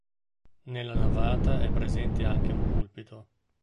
Nella navata è presente anche un pulpito.